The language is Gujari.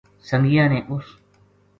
سنگیاں نے اس